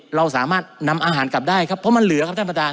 เราสามารถนำอาหารกลับได้ครับเพราะมันเหลือครับท่านประธาน